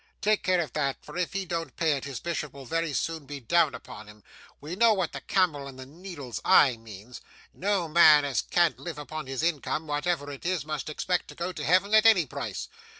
Take care of that, for if he don't pay it, his bishop will very soon be down upon him. We know what the camel and the needle's eye means; no man as can't live upon his income, whatever it is, must expect to go to heaven at any price.